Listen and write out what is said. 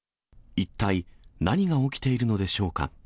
一体、何が起きているのでし